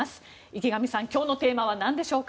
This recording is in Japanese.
池上さん、今日のテーマは何でしょうか？